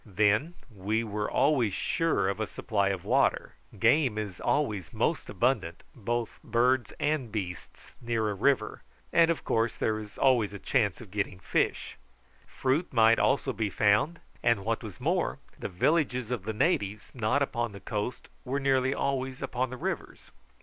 Then we were always sure of a supply of water; game is always most abundant, both birds and beasts, near a river, and, of course, there is always a chance of getting fish; fruit might also be found, and what was more, the villages of the natives not upon the coast are nearly always upon the rivers.